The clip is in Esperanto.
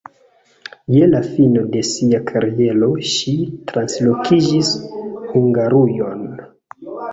Je la fino de sia kariero ŝi translokiĝis Hungarujon.